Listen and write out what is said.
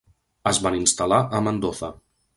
Es van instal·lar a Mendoza.